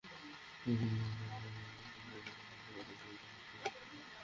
কাল ঢাকার একটি হোটেলে অনুষ্ঠিত ওয়ার্কিং কমিটির সভায় আনুষ্ঠানিকতা পেল তা।